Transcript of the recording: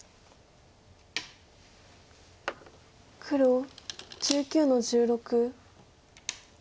黒１９の十六。